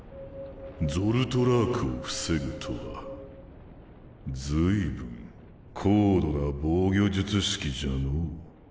ゾルトラークを防ぐとは随分高度な防御術式じゃのう。